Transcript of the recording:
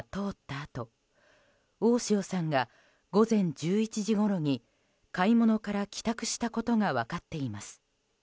あと大塩さんが午前１１時ごろに買い物から帰宅したことが分かっています。